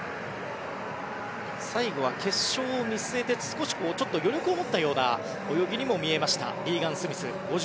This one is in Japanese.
最後は決勝を見据えて少し余力を持ったような泳ぎにも見えましたリーガン・スミス。